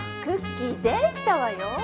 クッキーできたわよ！